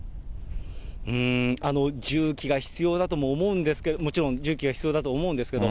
んー、重機が必要だと思うんですけれども、もちろん重機が必要だと思うんですけど。